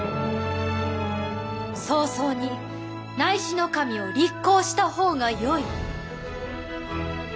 早々に尚侍を立后した方がよい。